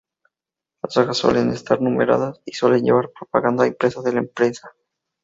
Las hojas suelen estar numeradas y suelen llevar propaganda impresa de la empresa.